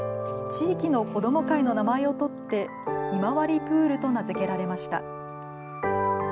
地域の子ども会の名前を取ってひまわりプールと名付けられました。